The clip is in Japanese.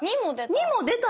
２も出た。